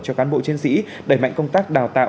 cho cán bộ chiến sĩ đẩy mạnh công tác đào tạo